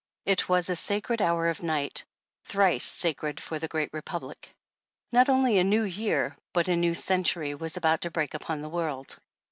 It was a sacred hour of night, thrice sacred for the great Republic. Not only a New Year, but a New Century was about to break upon the world.